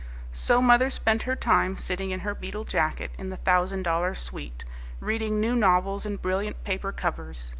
So mother spent her time sitting in her beetle jacket in the thousand dollar suite, reading new novels in brilliant paper covers.